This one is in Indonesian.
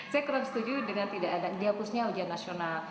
saya kurang setuju dengan tidak ada dihapusnya ujian nasional